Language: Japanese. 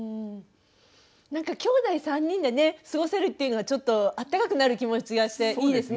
何かきょうだい３人でね過ごせるっていうのはちょっと温かくなる気持ちがしていいですね。